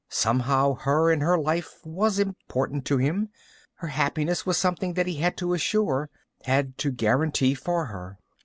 Somehow her and her life was important to him. Her happiness was something that he had to assure. Had to guarantee for her.